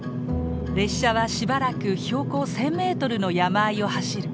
列車はしばらく標高１，０００メートルの山あいを走る。